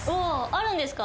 あるんですか？